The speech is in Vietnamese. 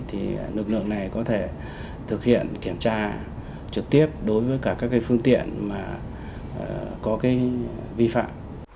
thì lực lượng này có thể thực hiện kiểm tra trực tiếp đối với cả các phương tiện mà có vi phạm